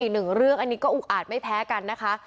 อีกหนึ่งเรื่องอันนี้ก็อุกอาจไม่แพ้กันนะคะ